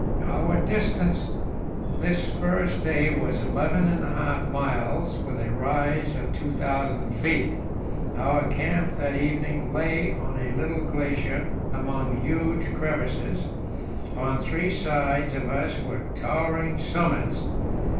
Our distance this first day was eleven and a half miles, with a rise of 2,000 feet. Our camp that evening lay on a little glacier among huge crevasses; on three sides of us were towering summits.